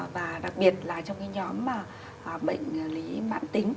và đặc biệt là trong cái nhóm bệnh lý mãn tính